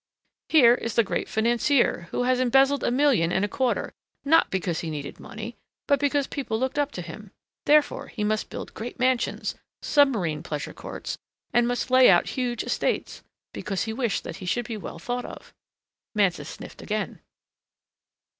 Here is the great financier, who has embezzled a million and a quarter, not because he needed money, but because people looked up to him. Therefore, he must build great mansions, submarine pleasure courts and must lay out huge estates because he wished that he should be thought well of. Mansus sniffed again.